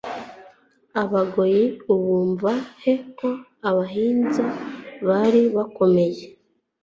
Abagoyi ubumva he ko abahinza bari bakomeye